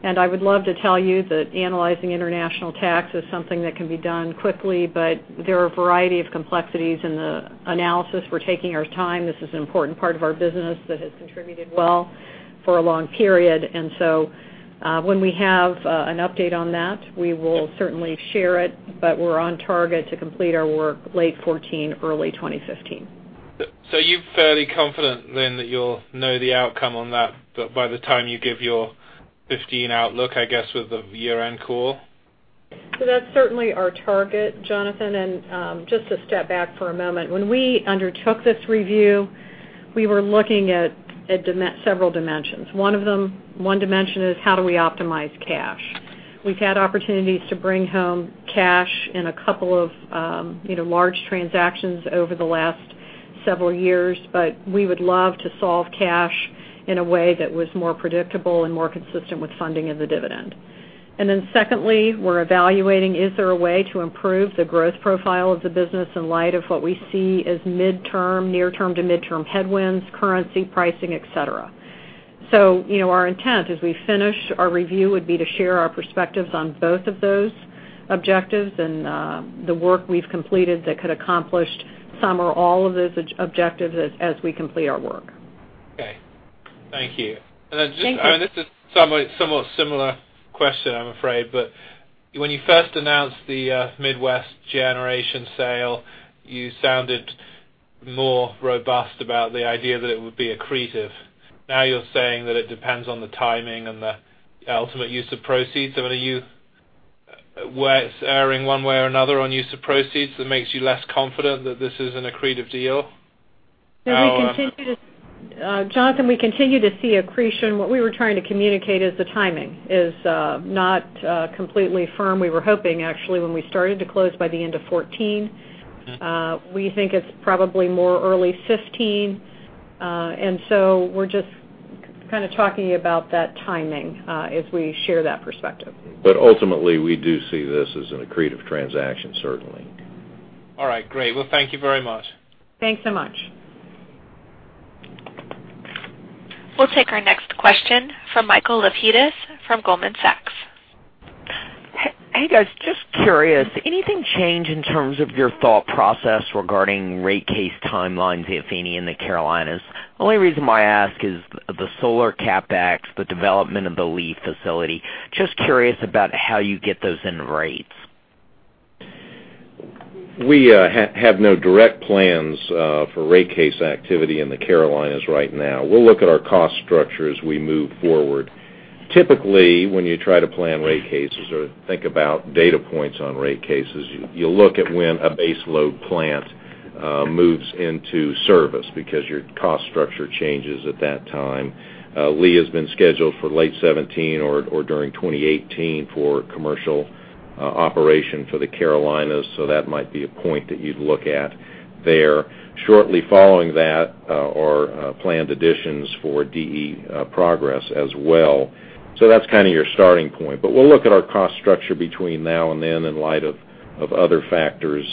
I would love to tell you that analyzing international tax is something that can be done quickly, there are a variety of complexities in the analysis. We're taking our time. This is an important part of our business that has contributed well for a long period. When we have an update on that, we will certainly share it, we're on target to complete our work late 2014, early 2015. You're fairly confident then that you'll know the outcome on that by the time you give your 2015 outlook, I guess, with the year-end call? That's certainly our target, Jonathan. Just to step back for a moment, when we undertook this review, we were looking at several dimensions. One dimension is how do we optimize cash? We've had opportunities to bring home cash in a couple of large transactions over the last several years, we would love to solve cash in a way that was more predictable and more consistent with funding of the dividend. Secondly, we're evaluating, is there a way to improve the growth profile of the business in light of what we see as near-term to mid-term headwinds, currency pricing, et cetera? Our intent, as we finish our review, would be to share our perspectives on both of those objectives and the work we've completed that could accomplish some or all of those objectives as we complete our work. Okay. Thank you. Thank you. Just, this is somewhat similar question, I mean, I'm afraid. When you first announced the Midwest Generation sale, you sounded more robust about the idea that it would be accretive. Now you're saying that it depends on the timing and the ultimate use of proceeds. I mean, are you erring one way or another on use of proceeds that makes you less confident that this is an accretive deal? Jonathan, we continue to see accretion. What we were trying to communicate is the timing is not completely firm. We were hoping, actually, when we started to close by the end of 2014. We think it's probably more early 2015. We're just kind of talking about that timing as we share that perspective. Ultimately, we do see this as an accretive transaction, certainly. All right. Great. Well, thank you very much. Thanks so much. We'll take our next question from Michael Lapides from Goldman Sachs. Hey, guys. Just curious, anything change in terms of your thought process regarding rate case timelines at FE and the Carolinas? Only reason why I ask is the solar CapEx, the development of the Lee facility. Just curious about how you get those in rates. We have no direct plans for rate case activity in the Carolinas right now. We'll look at our cost structure as we move forward. Typically, when you try to plan rate cases or think about data points on rate cases, you'll look at when a base load plant moves into service because your cost structure changes at that time. Lee has been scheduled for late 2017 or during 2018 for commercial operation for the Carolinas, that might be a point that you'd look at there. Shortly following that are planned additions for DE Progress as well. That's kind of your starting point. We'll look at our cost structure between now and then in light of other factors,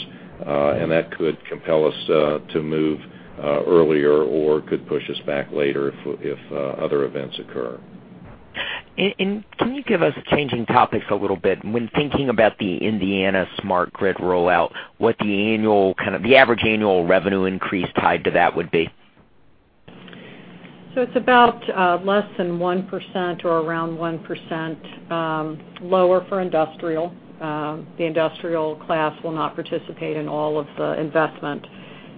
and that could compel us to move earlier or could push us back later if other events occur. Can you give us, changing topics a little bit, when thinking about the Indiana smart grid rollout, what the average annual revenue increase tied to that would be? It's about less than 1% or around 1% lower for industrial. The industrial class will not participate in all of the investment.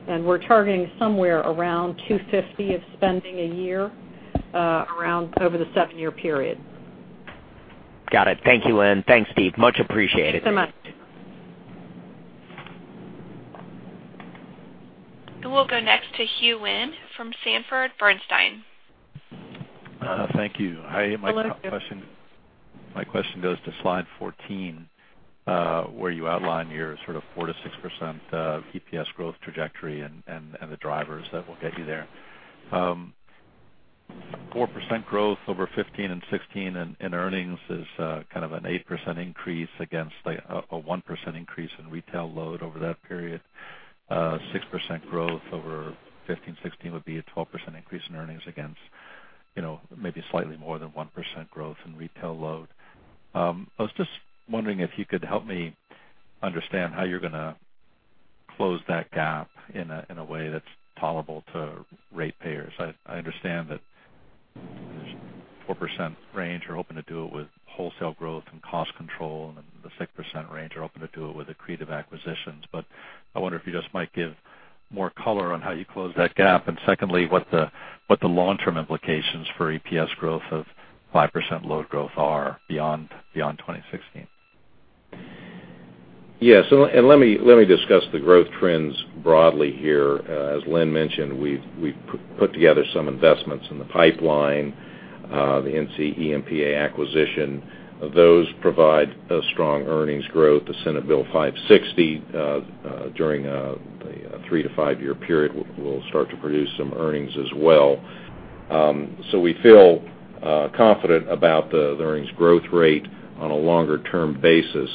We're targeting somewhere around $250 of spending a year over the seven-year period. Got it. Thank you, Lynn. Thanks, Steve. Much appreciated. Thanks so much. We'll go next to Hugh Wynne from Sanford C. Bernstein. Thank you. Hello, Hugh. My question goes to slide 14, where you outline your sort of 4%-6% EPS growth trajectory and the drivers that will get you there. 4% growth over 2015 and 2016 in earnings is kind of an 8% increase against a 1% increase in retail load over that period. 6% growth over 2015, 2016 would be a 12% increase in earnings against maybe slightly more than 1% growth in retail load. I was just wondering if you could help me understand how you're going to close that gap in a way that's palatable to ratepayers. I understand that there's 4% range are hoping to do it with wholesale growth and cost control, and then the 6% range are hoping to do it with accretive acquisitions. I wonder if you just might give more color on how you close that gap. Secondly, what the long-term implications for EPS growth of 5% load growth are beyond 2016. Yes. Let me discuss the growth trends broadly here. As Lynn mentioned, we've put together some investments in the pipeline, the NCEMPA acquisition. Those provide a strong earnings growth. The Senate Bill 560 during a 3-5-year period will start to produce some earnings as well. We feel confident about the earnings growth rate on a longer-term basis.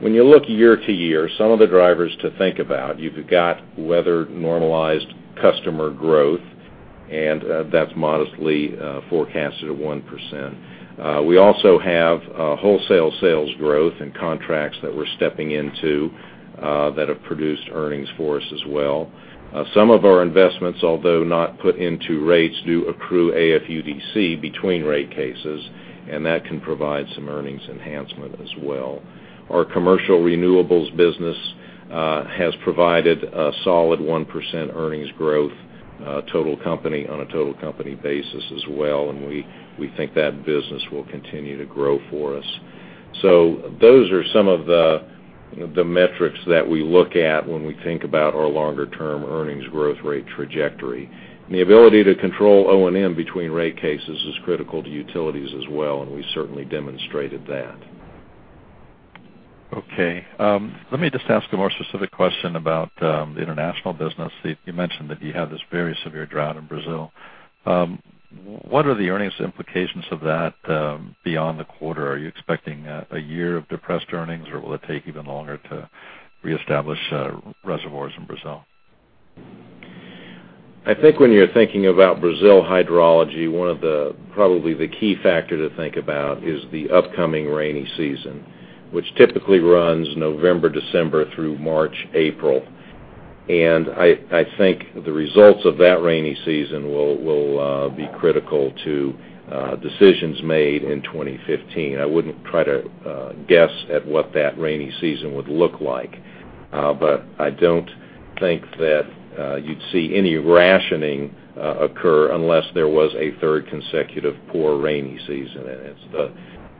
When you look year to year, some of the drivers to think about, you've got weather-normalized customer growth, and that's modestly forecasted at 1%. We also have wholesale sales growth and contracts that we're stepping into that have produced earnings for us as well. Some of our investments, although not put into rates, do accrue AFUDC between rate cases, and that can provide some earnings enhancement as well. Our commercial renewables business has provided a solid 1% earnings growth on a total company basis as well, and we think that business will continue to grow for us. Those are some of the metrics that we look at when we think about our longer-term earnings growth rate trajectory. The ability to control O&M between rate cases is critical to utilities as well, and we certainly demonstrated that. Okay. Let me just ask a more specific question about the international business. You mentioned that you have this very severe drought in Brazil. What are the earnings implications of that beyond the quarter? Are you expecting a year of depressed earnings, or will it take even longer to reestablish reservoirs in Brazil? I think when you're thinking about Brazil hydrology, probably the key factor to think about is the upcoming rainy season, which typically runs November, December through March, April. The results of that rainy season will be critical to decisions made in 2015. I wouldn't try to guess at what that rainy season would look like. I don't think that you'd see any rationing occur unless there was a third consecutive poor rainy season. It's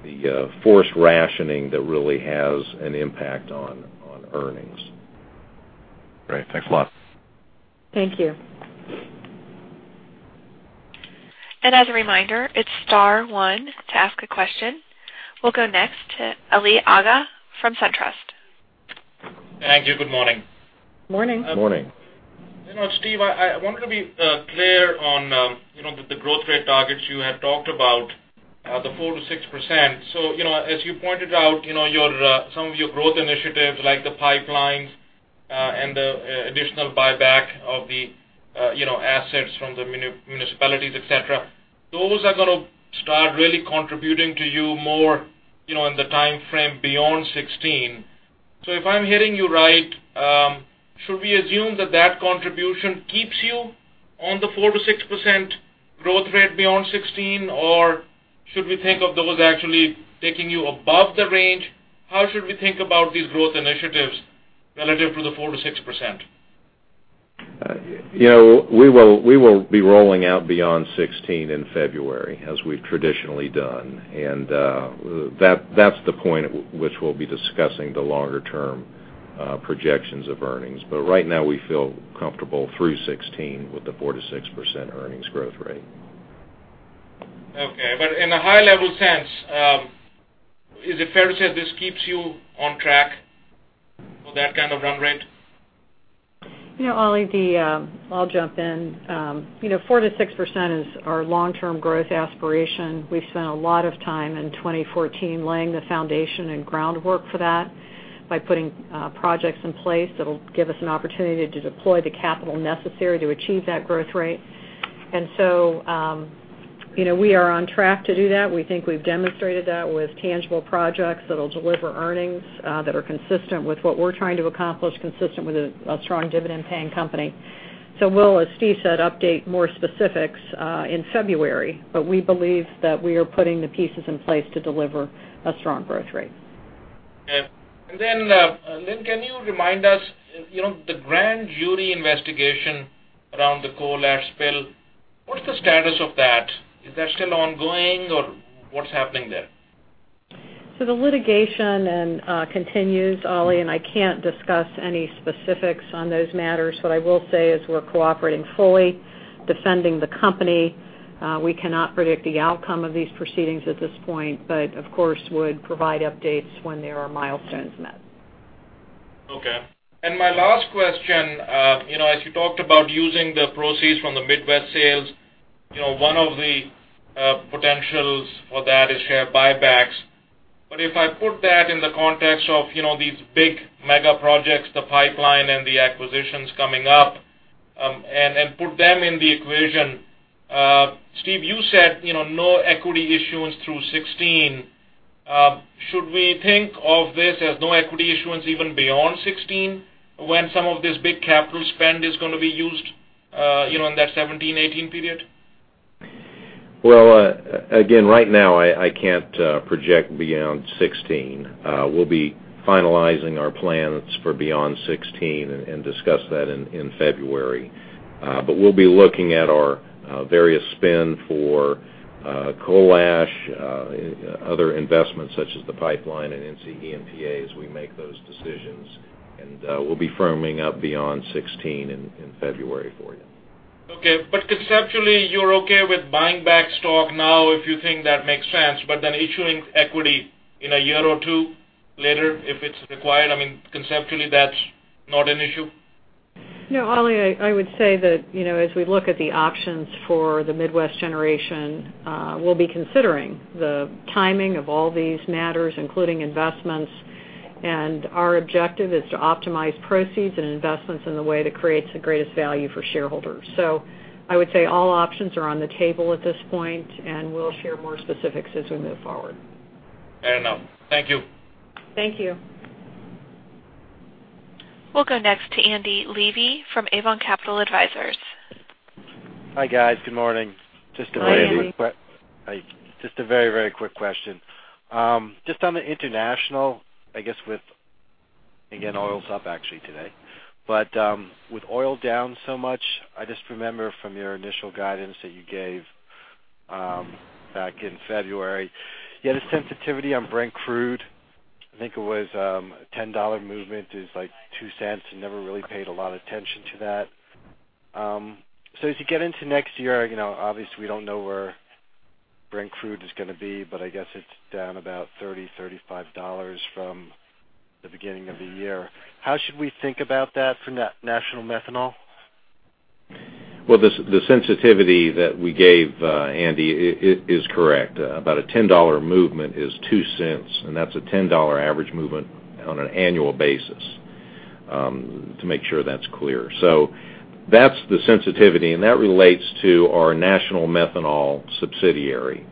the forced rationing that really has an impact on earnings. Great. Thanks a lot. Thank you. As a reminder, it's star one to ask a question. We'll go next to Ali Agha from SunTrust. Thank you. Good morning. Morning. Morning. Steve, I wanted to be clear on the growth rate targets you had talked about, the 4%-6%. As you pointed out, some of your growth initiatives like the pipelines and the additional buyback of the assets from the municipalities, et cetera, those are going to start really contributing to you more in the timeframe beyond 2016. If I'm hearing you right, should we assume that contribution keeps you on the 4%-6% growth rate beyond 2016? Or should we think of those actually taking you above the range? How should we think about these growth initiatives relative to the 4%-6%? We will be rolling out beyond 2016 in February, as we've traditionally done. That's the point at which we'll be discussing the longer-term projections of earnings. Right now, we feel comfortable through 2016 with the 4%-6% earnings growth rate. Okay. In a high-level sense, is it fair to say this keeps you on track for that kind of run rate? Ali, I'll jump in. 4%-6% is our long-term growth aspiration. We've spent a lot of time in 2014 laying the foundation and groundwork for that by putting projects in place that'll give us an opportunity to deploy the capital necessary to achieve that growth rate. We are on track to do that. We think we've demonstrated that with tangible projects that'll deliver earnings that are consistent with what we're trying to accomplish, consistent with a strong dividend-paying company. We'll, as Steve said, update more specifics in February. We believe that we are putting the pieces in place to deliver a strong growth rate. Okay. Lynn, can you remind us, the grand jury investigation around the Coal Ash spill, what's the status of that? Is that still ongoing, or what's happening there? The litigation continues, Ali, I can't discuss any specifics on those matters. What I will say is we're cooperating fully, defending the company. We cannot predict the outcome of these proceedings at this point, but of course, would provide updates when there are milestones met. Okay. My last question, as you talked about using the proceeds from the Midwest sales, one of the potentials for that is share buybacks. If I put that in the context of these big mega projects, the pipeline and the acquisitions coming up, and put them in the equation, Steve, you said, no equity issuance through 2016. Should we think of this as no equity issuance even beyond 2016, when some of this big capital spend is going to be used in that 2017, 2018 period? Well, again, right now, I can't project beyond 2016. We'll be finalizing our plans for beyond 2016 and discuss that in February. We'll be looking at our various spend for Coal Ash, other investments such as the pipeline and NCEMPA as we make those decisions. We'll be firming up beyond 2016 in February for you. Okay. Conceptually, you're okay with buying back stock now, if you think that makes sense, then issuing equity in a year or two later if it's required. I mean, conceptually, that's not an issue? No, Ali, I would say that as we look at the options for the Midwest Generation, we'll be considering the timing of all these matters, including investments. Our objective is to optimize proceeds and investments in the way that creates the greatest value for shareholders. I would say all options are on the table at this point, and we'll share more specifics as we move forward. Fair enough. Thank you. Thank you. We'll go next to Andy Levi from Avon Capital Advisors. Hi, guys. Good morning. Good morning. Hi, Andy. Hi. Just a very quick question. Just on the international, I guess with, again, oil's up actually today. With oil down so much, I just remember from your initial guidance that you gave back in February, you had a sensitivity on Brent crude. I think it was a $10 movement is like $0.02 and never really paid a lot attention to that. As you get into next year, obviously, we don't know where Brent crude is down about $30-$35 from the beginning of the year. How should we think about that for National Methanol? Well, the sensitivity that we gave, Andy, is correct. About a $10 movement is $0.02, and that's a $10 average movement on an annual basis, to make sure that's clear. That's the sensitivity, and that relates to our National Methanol subsidiary,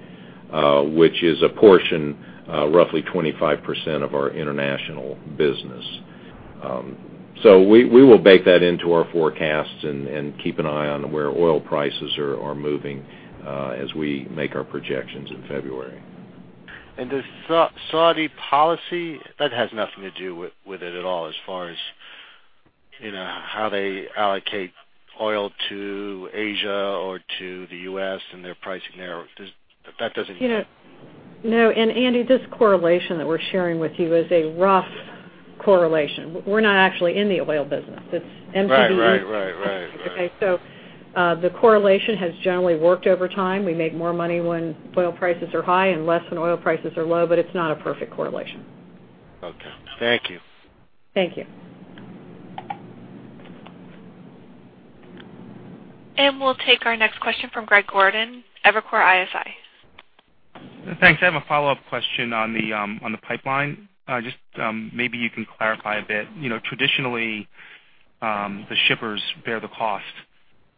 which is a portion, roughly 25% of our international business. We will bake that into our forecasts and keep an eye on where oil prices are moving as we make our projections in February. The Saudi policy, that has nothing to do with it at all as far as how they allocate oil to Asia or to the U.S. and their pricing there. No. Andy, this correlation that we're sharing with you is a rough correlation. We're not actually in the oil business. Right. Okay. The correlation has generally worked over time. We make more money when oil prices are high and less when oil prices are low, but it's not a perfect correlation. Okay. Thank you. Thank you. We'll take our next question from Greg Gordon, Evercore ISI. Thanks. I have a follow-up question on the pipeline. Just maybe you can clarify a bit. Traditionally, the shippers bear the cost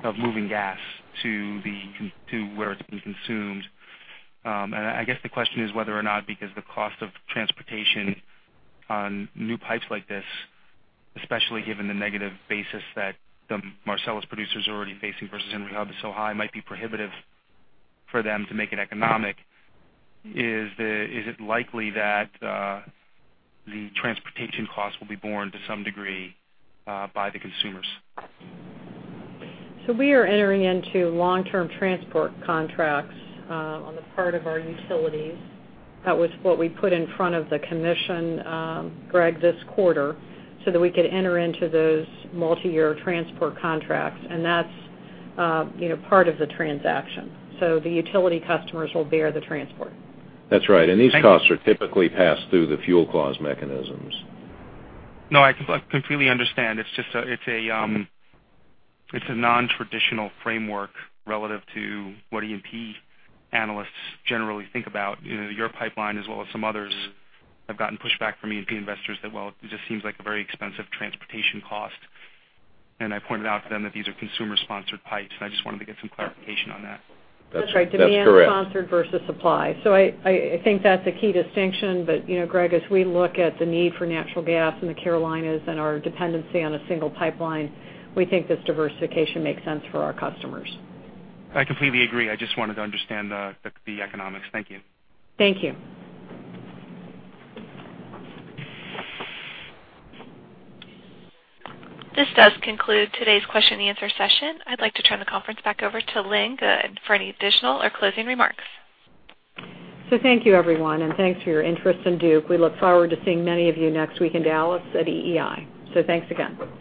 of moving gas to where it's being consumed. I guess the question is whether or not because the cost of transportation on new pipes like this, especially given the negative basis that the Marcellus producers are already facing versus Henry Hub is so high, might be prohibitive for them to make it economic. Is it likely that the transportation cost will be borne to some degree by the consumers? We are entering into long-term transport contracts on the part of our utilities. That was what we put in front of the commission, Greg, this quarter, so that we could enter into those multi-year transport contracts. That's part of the transaction. The utility customers will bear the transport. That's right. Thank you. These costs are typically passed through the fuel clause mechanisms. No, I completely understand. It's a non-traditional framework relative to what E&P analysts generally think about. Your pipeline as well as some others have gotten pushback from E&P investors that, well, it just seems like a very expensive transportation cost. I pointed out to them that these are consumer-sponsored pipes, and I just wanted to get some clarification on that. That's right. That's correct. Demand sponsored versus supply. I think that's a key distinction. Greg, as we look at the need for natural gas in the Carolinas and our dependency on a single pipeline, we think this diversification makes sense for our customers. I completely agree. I just wanted to understand the economics. Thank you. Thank you. This does conclude today's question and answer session. I'd like to turn the conference back over to Lynn for any additional or closing remarks. Thank you everyone, and thanks for your interest in Duke. We look forward to seeing many of you next week in Dallas at EEI. Thanks again.